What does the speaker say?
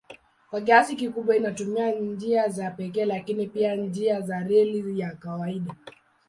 Kwa kiasi kikubwa inatumia njia za pekee lakini pia njia za reli ya kawaida.